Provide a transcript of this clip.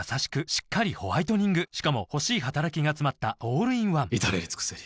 しっかりホワイトニングしかも欲しい働きがつまったオールインワン至れり尽せり